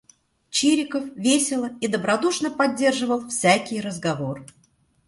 Чириков весело и добродушно поддерживал всякий разговор.